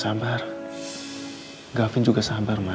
saya baru sampai di dukungan di ab creamntans